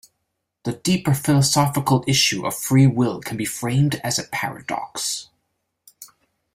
The deeper philosophical issue of free will can be framed as a paradox.